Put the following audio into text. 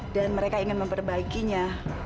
dan mereka ingin memperbaikinya